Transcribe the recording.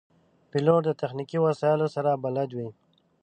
پیلوټ د تخنیکي وسایلو سره بلد وي.